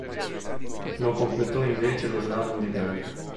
Non completò invece lo slalom gigante.